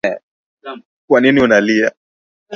kwanini unalia?